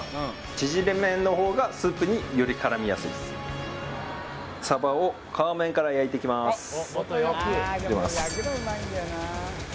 縮れ麺の方がスープにより絡みやすいです入れます